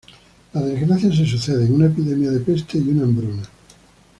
Las desgracias se suceden: una epidemia de peste y una hambruna.